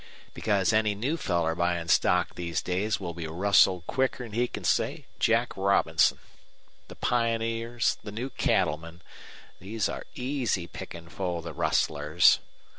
"Because any new feller buyin' stock these days will be rustled quicker 'n he can say Jack Robinson. The pioneers, the new cattlemen these are easy pickin' for the rustlers.